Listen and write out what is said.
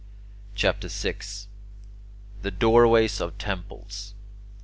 CHAPTER VI THE DOORWAYS OF TEMPLES 1.